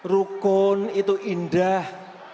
rukun itu indah